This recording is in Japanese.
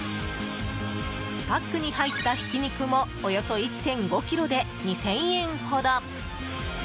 パックに入ったひき肉もおよそ１．５ｋｇで２０００円ほど。